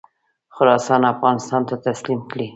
خراسان افغانستان ته تسلیم کړي.